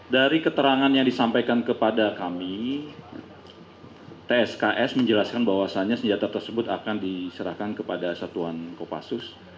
dari keterangan yang disampaikan kepada kami tsks menjelaskan bahwasannya senjata tersebut akan diserahkan kepada satuan kopassus